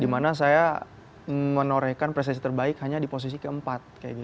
dimana saya menorehkan prestasi terbaik hanya di posisi keempat